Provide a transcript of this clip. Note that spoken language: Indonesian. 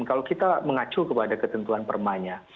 kalau kita mengacu kepada ketentuan perma nya